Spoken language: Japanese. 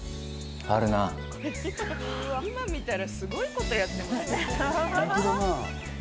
今、見たら、すごいことやってますね。